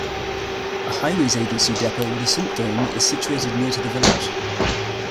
A Highways Agency depot with a salt dome is situated near to the village.